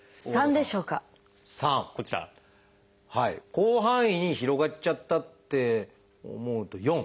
広範囲に広がっちゃったって思うと４。